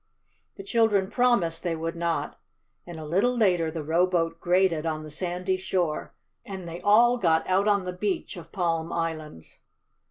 The children promised they would not, and a little later the rowboat grated on the sandy shore and they all got out on the beach of Palm Island.